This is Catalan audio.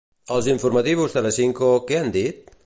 Els d'"Informativos Telecinco" què han dit?